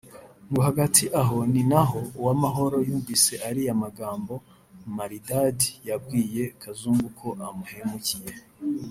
ngo hagati aha ni naho Uwamahoro yumvise ariya magambo Maridadi yabwiye Kazungu ko amuhemukiye